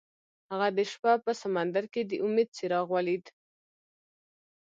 هغه د شپه په سمندر کې د امید څراغ ولید.